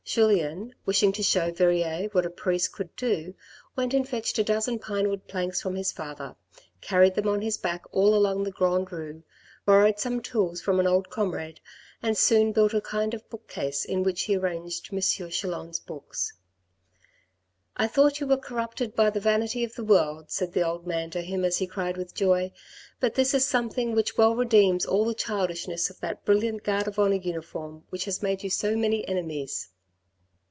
Julien, wishing to show Verrieres what a priest could do, went and fetched a dozen pinewood planks from his father, carried them on his back all along the Grande Rue, borrowed some tools from an old comrade and soon built a kind of bookcase in which he arranged M. Chelan's books. " I thought you were corrupted by the vanity of the world," said the old man to him as he cried with joy, " but this is something which well redeems all the childishness of that brilliant Guard of Honour uniform which has made you so many enemies."